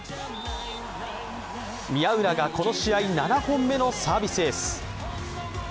宮浦がこの試合、７本目のサービスエース。